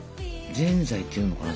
ぜんざいっていうのかな？